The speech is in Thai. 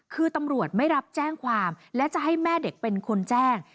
คือตำรวจไม่รับแจ้งความและจะให้แม่เด็กเป็นคนแจ้ง